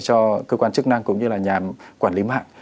cho cơ quan chức năng cũng như là nhà quản lý mạng